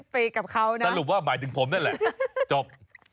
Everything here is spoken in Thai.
สรุปว่าหมายถึงผมนั่นแหละจบ